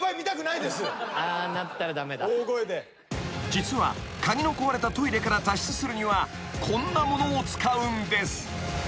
［実は鍵の壊れたトイレから脱出するにはこんなものを使うんです］